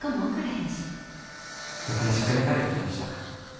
僕も実家に帰ることにした。